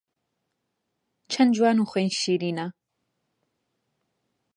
چەن جوان و خوێن شیرینە